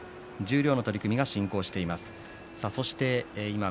十両の取組が進行しています。